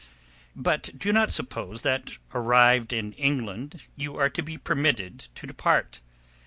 "But do not suppose that arrived in England you are to be permitted to depart.